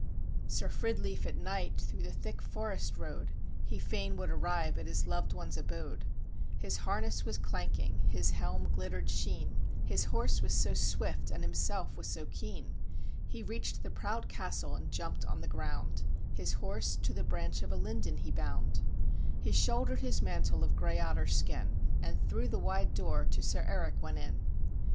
Sir Fridleif, at night, through the thick forest rode, He fain would arrive at his lov'd one's abode; His harness was clanking, his helm glitter'd sheen, His horse was so swift, and himself was so keen: He reach'd the proud castle, and jump'd on the ground, His horse to the branch of a linden he bound; He shoulder'd his mantle of grey otter skin, And through the wide door, to Sir Erik went in.